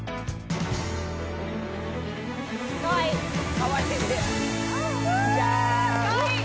かわいい！